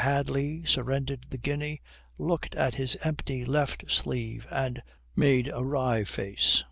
Hadley surrendered the guinea, looked at his empty left sleeve and made a wry face.